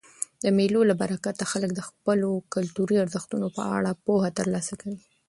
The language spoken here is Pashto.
د مېلو له برکته خلک د خپلو کلتوري ارزښتو په اړه پوهه ترلاسه کوي.